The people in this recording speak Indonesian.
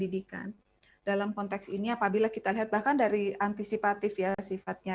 didikan dalam konteks ini apabila kita lihat bahkan dari antisipatif ya sifatnya